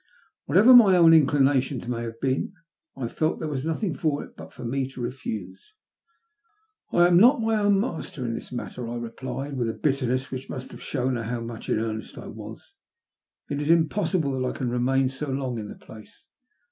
Wliatever my own inclinations may have been, I felt there was nothing for it but for me to refuse. "I am not my own master in this matter," I replied, with a bitterness which must have shown her 290 THE LUST OF HATB. how much in earnest I was. It is impossible that I can remain so long in the place.